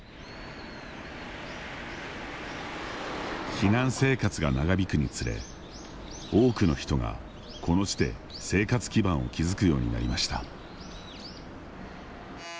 避難生活が長引くにつれ多くの人が、この地で生活基盤を築くようになりました。